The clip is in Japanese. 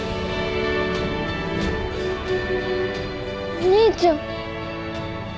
お兄ちゃん。